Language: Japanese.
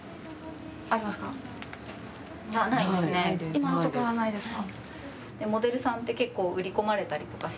今のところはないですか？